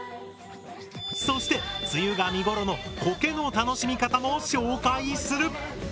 そして梅雨が見頃のコケの楽しみ方も紹介する！